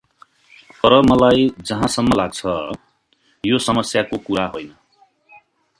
तर मलाई जहाँ सम्म लाग्छ, यो समस्याको कुरा हैन ।